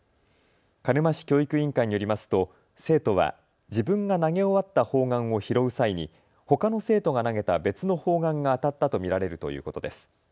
鹿沼市教育委員会によりますと生徒は自分が投げ終わった砲丸を拾う際にほかの生徒が投げた別の砲丸が当たったと見られるということです。